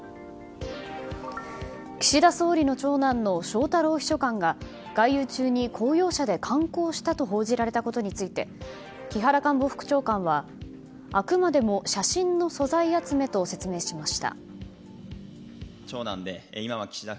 岸田総理の長男の翔太郎秘書官が外遊中に公用車で観光したと報じられたことについて木原官房副長官はあくまでも写真の素材集めと説明しました。